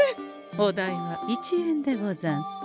お代は１円でござんす。